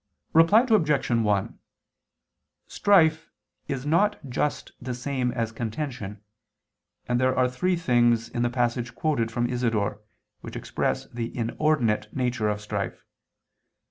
Reply Obj. 1: Strife is not just the same as contention: and there are three things in the passage quoted from Isidore, which express the inordinate nature of strife.